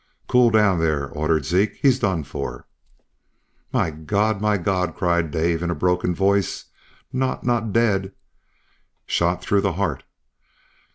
"Cool down, there!" ordered Zeke. "He's done for." "My God my God!" cried Dave, in a broken voice. "Not not dead?" "Shot through the heart!"